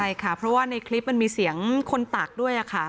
ใช่ค่ะเพราะว่าในคลิปมันมีเสียงคนตักด้วยค่ะ